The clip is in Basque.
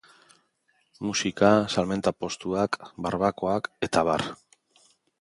Musika, salmenta postuak, barbakoak, etb.